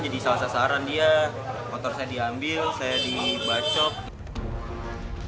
jadi salah sasaran dia motor saya diambil saya dibacok